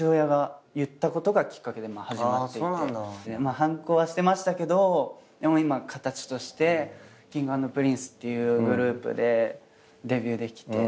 反抗はしてましたけど今形としてＫｉｎｇ＆Ｐｒｉｎｃｅっていうグループでデビューできて。